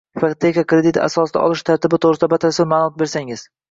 ipoteka krediti asosida olish tartibi to‘g‘risida batafsil ma’lumot bersangiz?